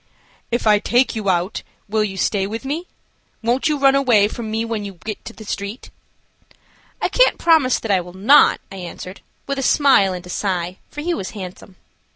"If I take you out will you stay with me? Won't you run away from me when you get on the street?" "I can't promise that I will not," I answered, with a smile and a sigh, for he was handsome.